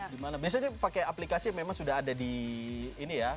biasanya pakai aplikasi memang sudah ada di ini ya